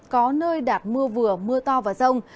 có nơi đạt mưa vừa mưa to và rông